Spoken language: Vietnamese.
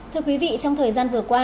thưa quý vị trong thời gian vừa qua